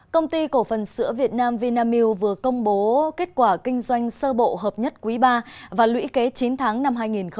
công ty cổ phần sữa việt nam vinamilk vừa công bố kết quả kinh doanh sơ bộ hợp nhất quý ba và lũy kế chín tháng năm hai nghìn hai mươi